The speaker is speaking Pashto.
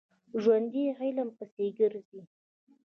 ژوندي علم پسې ګرځي